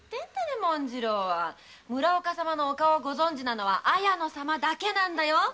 村岡様のお顔を知ってるのは綾乃様だけなんだよ。